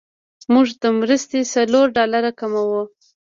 موږ د مرستې څلور ډالره کموو.